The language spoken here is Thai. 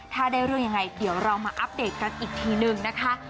ถ้าได้เรื่องยังไงเดี๋ยวเรามาอัปเดตกันอีกทีนึงนะคะ